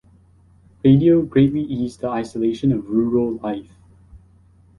Radio greatly eased the isolation of rural life.